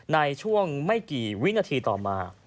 ในช่วงไม่กี่วินาทีต่อมา